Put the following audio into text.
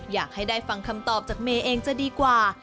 อยากให้ได้ฟังคำตอบจากเมย์เองจะดีกว่า